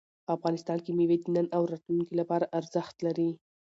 افغانستان کې مېوې د نن او راتلونکي لپاره ارزښت لري.